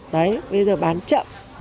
đấy bây giờ bán chậm